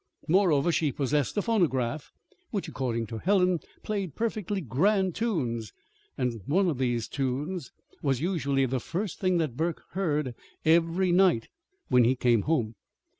Moreover, she possessed a phonograph which, according to Helen, played "perfectly grand tunes"; and some one of these tunes was usually the first thing that Burke heard every night when he came home.